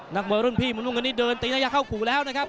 นักมวยรุ่นพี่มุมนุ่งเงินนี้เดินตีน่าจะเข้าขู่แล้วนะครับ